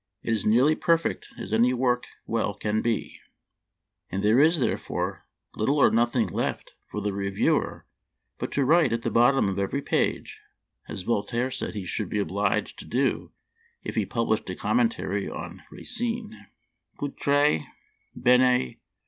It is as nearly perfect as any work well can be ; and there is, therefore, little or nothing left for the reviewer but to write at the bottom of every page, as Voltaire said he should be obliged to do if he published a commentary on Racine, PutcJire ! bene